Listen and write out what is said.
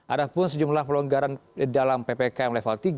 ada pun sejumlah pelonggaran dalam ppkm level tiga